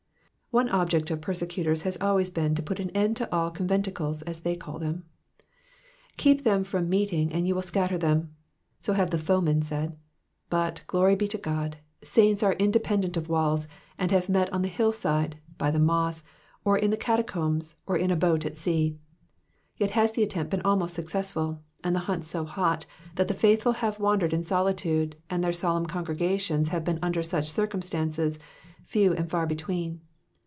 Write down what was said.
One object of persecutors has always been to put an end to all conventicles, as they have called them. Keep them from meeting and you will scatter them, so have the foemen said ; but, glory be to God, saints are independent of walls, and have met on the hill side, by the moss, or in the catacombs, or in a boat at sea. Yet has the attempt been almost successful, and the hunt so hot, that the faithful have wandered in solitude, and their solemn congregations have been, under such circumstances, few and far between.